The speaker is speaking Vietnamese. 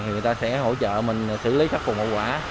người ta sẽ hỗ trợ mình xử lý sắp cùng mọi quả